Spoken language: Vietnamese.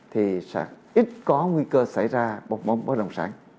thì sẽ ít có nguy cơ xảy ra bông bóng bóng rồng sản